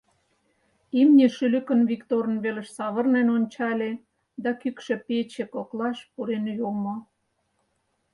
Имне шӱлыкын Викторын велыш савырнен ончале да кӱкшӧ пече коклаш пурен йомо.